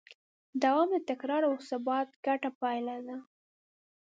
دوام د تکرار او ثبات ګډه پایله ده.